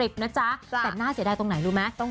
แต่น่าเสียดายตรงไหนรู้ไหม